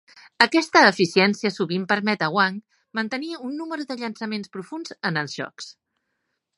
Aquesta eficiència sovint permet a Wang mantenir un número de llançaments profunds en els jocs.